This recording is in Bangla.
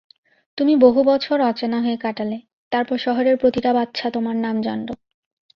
তুমি বহুবছর অচেনা হয়ে কাটালে, তারপর শহরের প্রতিটা বাচ্চা তোমার নাম জানলো।